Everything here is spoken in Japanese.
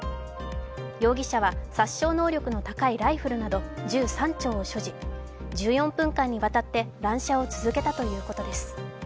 容疑者は殺傷能力の高いライフルなど銃３丁を所持、１４分間にわたって乱射を続けたということです。